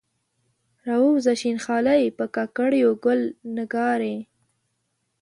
راووځه شین خالۍ، په کاکړیو ګل نګارې